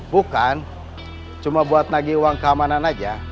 bukan cuma buat nagi uang keamanan aja